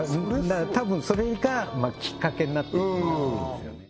たぶんそれがきっかけになっていくんだと思うんですよね